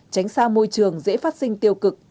tránh xa môi trường dễ phát sinh tiêu cực tệ nạn xã hội